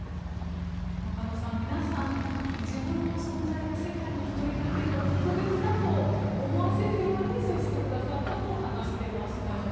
中野さん、皆さん自分の存在が世界に１人だけと特別だと思わせるように接してくださったと話していましたよね。